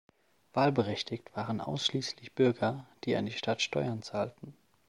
Wahlberechtigt waren ausschließlich Bürger, die an die Stadt Steuern zahlten.